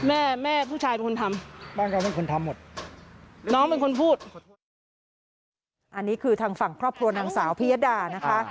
อันนี้คือทางฝั่งครอบครัวนางสาวพิยดานะคะ